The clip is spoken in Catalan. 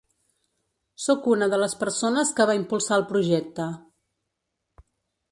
Sóc una de les persones que va impulsar el projecte.